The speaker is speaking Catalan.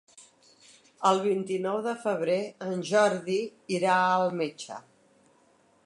El vint-i-nou de febrer en Jordi irà al metge.